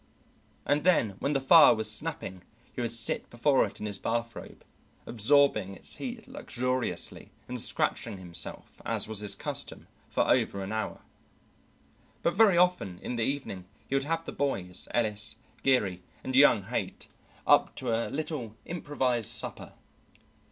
And then when the fire was snapping he would sit before it in his bathrobe, absorbing its heat luxuriously and scratching himself, as was his custom, for over an hour. But very often in the evening he would have the boys, Ellis, Geary, and young Haight, up to a little improvised supper.